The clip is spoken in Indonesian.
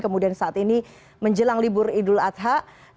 kemudian saat ini menjelang libur idul adha